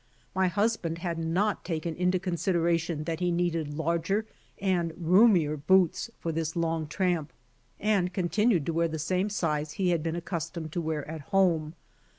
My husband had not taken into consideration that he needed larger and roomier boots for this long tramp and continued to wear the same size he had been accustomed to wear at home.